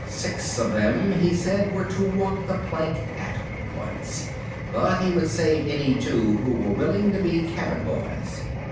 Six of them, he said, were to walk the plank at once, but he would save any two who were willing to be cabin boys.